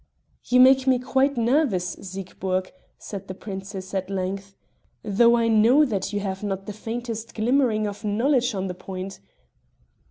"You make me quite nervous, Siegburg," said the princess at length, "though I know that you have not the faintest glimmering of knowledge on the subject."